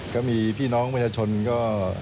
ก็มีพี่น้องมหัวชนก็